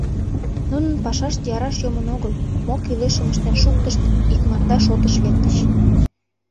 Нунын пашашт яраш йомын огыл: мо кӱлешым ыштен шуктышт, икмарда шотыш лектыч.